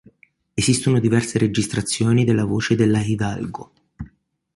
Esistono diverse registrazioni della voce della Hidalgo.